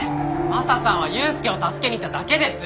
マサさんは勇介を助けに行っただけです！